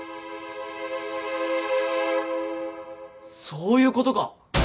そういうことか！